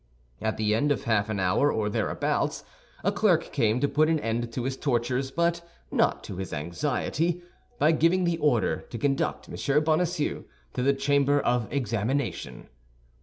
At the end of half an hour or thereabouts, a clerk came to put an end to his tortures, but not to his anxiety, by giving the order to conduct M. Bonacieux to the Chamber of Examination.